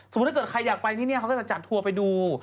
ถ้าเกิดใครอยากไปที่นี่เขาก็จะจัดทัวร์ไปดู